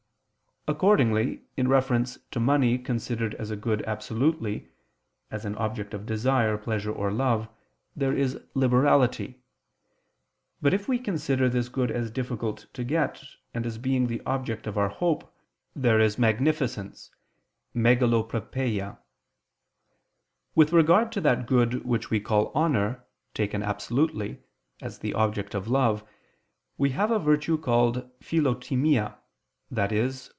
Accordingly in reference to money considered as a good absolutely, as an object of desire, pleasure, or love, there is liberality: but if we consider this good as difficult to get, and as being the object of our hope, there is magnificence [*_megaloprepeia_]. With regard to that good which we call honor, taken absolutely, as the object of love, we have a virtue called philotimia, i.e.